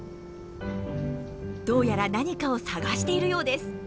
どうやら何かを探しているようです。